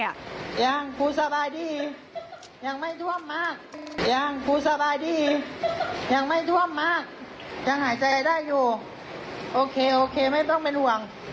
อีกไปหนักแบบนี้แล้ว